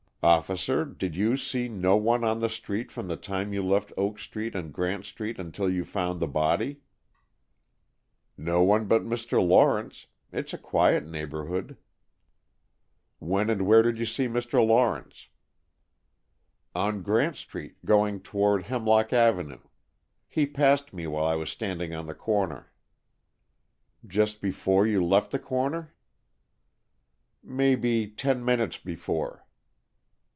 "Officer, did you see no one on the street from the time you left Oak Street and Grant Street until you found the body?" "No one but Mr. Lawrence. It is a quiet neighborhood." "When and where did you see Mr. Lawrence?" "On Grant Street, going toward Hemlock Avenue. He passed me while I was standing on the corner." "Just before you left the corner?" "May be ten minutes before."